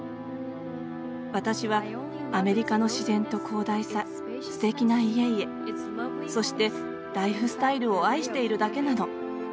私はアメリカの自然と広大さすてきな家々そして、ライフスタイルを愛しているだけなの。